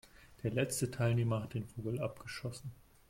Der letzte Teilnehmer hat dann den Vogel abgeschossen.